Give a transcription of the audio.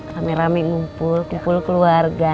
rame rame ngumpul kumpul keluarga